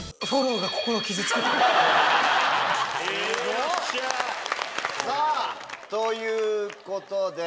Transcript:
よっしゃ！ということで。